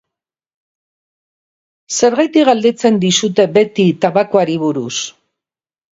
Zergatik galdetzen dizute beti tabakoari buruz?